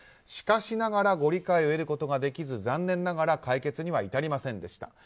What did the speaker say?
しかしながらご理解を得ることができず残念ながら解決には至りませんでした。